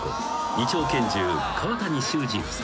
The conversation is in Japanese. ２丁拳銃川谷修士夫妻］